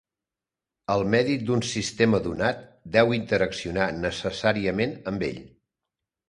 El medi d'un sistema donat deu interaccionar necessàriament amb ell.